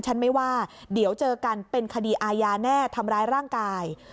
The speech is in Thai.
ฉันไม่ว่าเดี๋ยวเจอกันเป็นคดีอาญาแน่ทำร้ายร่างกาย